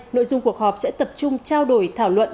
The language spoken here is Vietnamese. nội dung cuộc họp sẽ tập trung trao đổi thảo luận